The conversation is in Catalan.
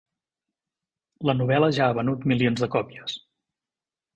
La novel·la ja ha venut milions de còpies.